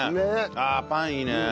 ああパンいいね。